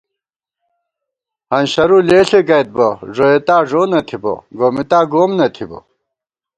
ہنشرُو لېݪے گئیت بہ ݫوئیتا ݫو نہ تھِبہ گومېتا گوم نہ تھِبہ